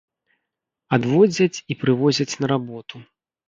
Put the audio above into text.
Адвозяць і прывозяць на работу.